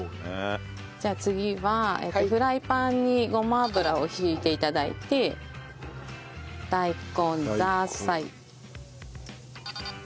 じゃあ次はフライパンにごま油を引いて頂いて大根ザーサイ。